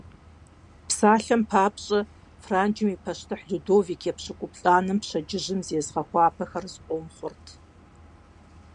Псалъэм папщӏэ, Франджым и пащтыхь Людовик Епщыкӏуплӏанэм пщэдджыжьым зезыгъэхуапэхэр зыкъом хъурт.